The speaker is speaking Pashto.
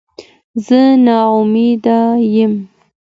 زه نا امیده یم